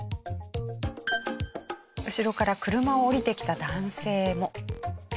後ろから車を降りてきた男性も。